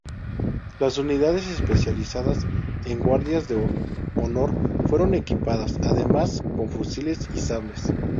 Las unidades especializadas en guardias de honor fueron equipadas, además, con fusiles y sables.